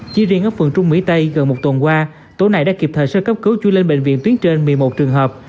chỉ riêng ở phần trung mỹ tây gần một tuần qua tối nay đã kịp thời sơ cấp cứu chui lên bệnh viện tuyến trên một mươi một trường hợp